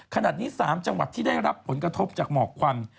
ขนาดนี้๓จังหวัดที่ได้รับผลกระทบจากหมอกควัน